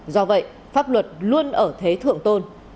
do vậy pháp luật luôn ở thế thượng tôn